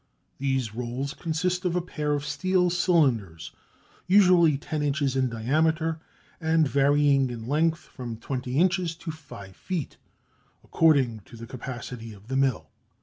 These rolls consist of a pair of steel cylinders usually 10 inches in diameter and varying in length from 20 inches to 5 feet according to the capacity of the mill.